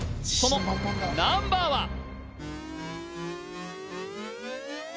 そのナンバーは？